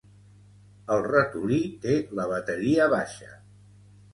El ratolí té la bateria baixa.